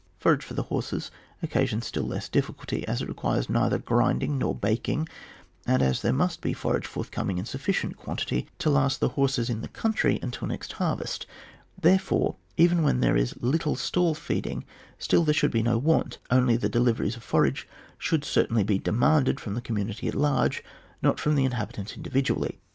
Forage for the horses occasions still less difficulty, as it neither requires grinding nor baking, and as there must be forage forthcoming in sufficient quan tity to last the horses in the country until next harvest, therefore even where there is little stall feeding, still there should be no want, only the deliveries of forage should certainly be demanded from the community at large, not from the inhabitants individually.